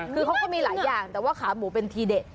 คือเขาก็มีหลายอย่างแต่ว่าขาหมูเป็นทีเด็ด